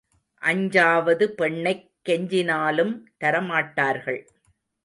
அஞ்சாவது பெண்ணைக் கெஞ்சினாலும் தரமாட்டார்கள்.